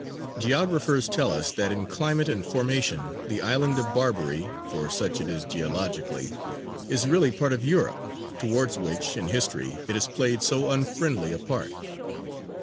Geographers tell us that in climate and formation the island of Barbary, for such it is geologically, is really part of Europe, towards which, in history, it has played so unfriendly a part.